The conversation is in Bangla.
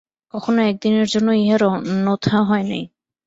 কখনো এক দিনের জন্য ইহার অন্যথা হয় নাই।